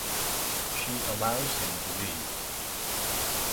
She allows him to leave.